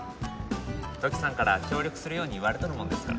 土岐さんから協力するように言われとるもんですから。